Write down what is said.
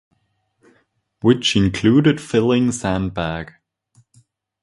Which included filling sandbag.